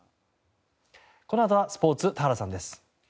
このあとはスポーツ田原さんです。